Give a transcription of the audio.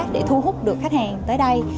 để thu hút được khách hàng tới đây